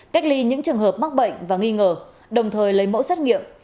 cách ly những trường hợp mắc bệnh và nghi ngờ đồng thời lấy mẫu xét nghiệm